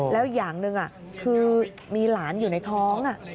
แล้วอย่างหนึ่งคือมีหลานอยู่ในท้อง